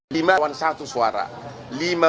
lima one satu suara